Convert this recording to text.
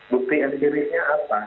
bukti yang dirinya apa